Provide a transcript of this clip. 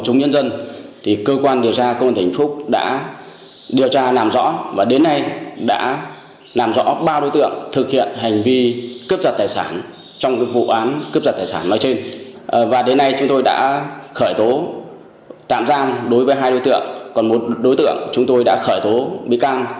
chúng tôi đã khởi tố tạm giam đối với hai đối tượng còn một đối tượng chúng tôi đã khởi tố bị can